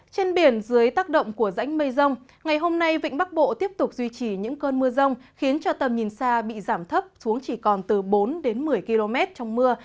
trên biển dưới tác động của rãnh mây rông ngày hôm nay vịnh bắc bộ tiếp tục duy trì những cơn mưa rông khiến cho tầm nhìn xa bị giảm thấp xuống chỉ còn từ bốn đến một mươi km trong mưa